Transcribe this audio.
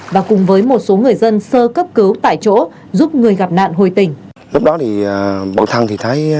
và cùng với một số người dân sơ cấp cứu tại chỗ giúp người gặp nạn hồi tình